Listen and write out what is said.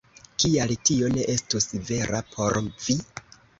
Kial tio ne estus vera por vi?